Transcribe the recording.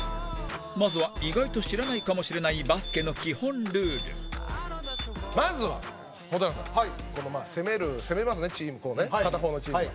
まずは意外と知らないかもしれないバスケの基本ルール澤部：まずは、蛍原さん、攻める攻めますね、片方のチームが。